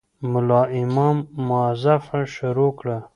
ملا امام موعظه شروع کړه.